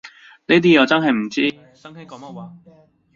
呢啲嘢我真係唔知，新興講乜話